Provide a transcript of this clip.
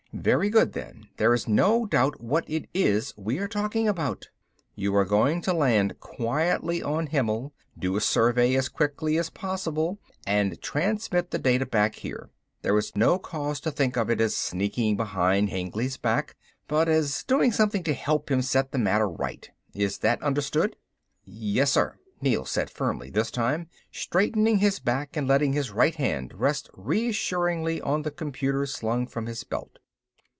"Very good then, there is no doubt what it is we are talking about. You are going to land quietly on Himmel, do a survey as quickly as possible and transmit the data back here. There is no cause to think of it as sneaking behind Hengly's back, but as doing something to help him set the matter right. Is that understood?" "Yes, sir," Neel said firmly this time, straightening his back and letting his right hand rest reassuringly on the computer slung from his belt.